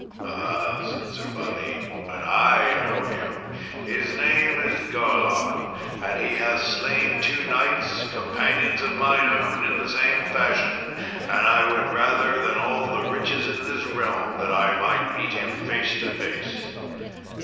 "Ah," said Sir Balin, "but I know him; his name is Garlon, and he hath slain two knights, companions of mine own, in the same fashion, and I would rather than all the riches in this realm that I might meet him face to face."